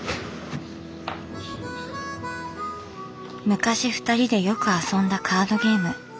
昔ふたりでよく遊んだカードゲーム。